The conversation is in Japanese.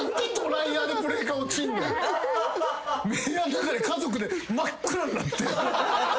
部屋ん中で家族で真っ暗になって。